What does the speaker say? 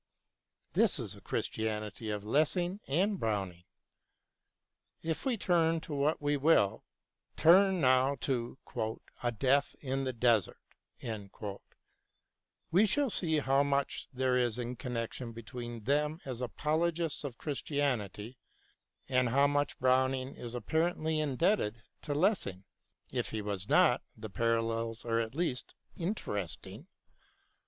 This is the Christianity of Lessing and Brown ing. If we turn to what we will, turn now to " A Death in the Desert," we shall see how much there is in common between them as apologists of Christianity, and how much Browning is apparently indebted to Lessing. If he was not, the parallels are at least interesting.